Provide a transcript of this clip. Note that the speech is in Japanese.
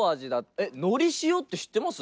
えっ、のり塩って知ってます？